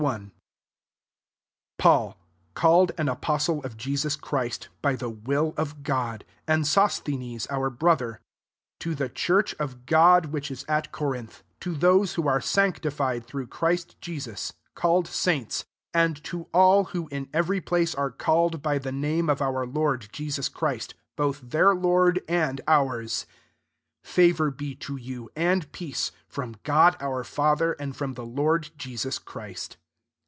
1 PAUL, [called] an aposthe of Jesus Christ, by the will of God, and Sosthenes our brother, 2 to the church of God which is at Corinth, to those who are sanctified through Cht*ist Jesus, called saints, and to all who in every place are called by the name of our Lord Jesus Christ, both their Lord^ and ours : 3 favour be to you, and peace, from God our Father, and/rom the Lord Jesus Christ.